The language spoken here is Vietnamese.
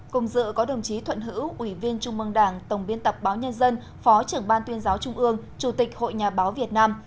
cùng dự có đồng chí thuận hữu ủy viên trung mương đảng tổng biên tập báo nhân dân phó trưởng ban tuyên giáo trung ương chủ tịch hội nhà báo việt nam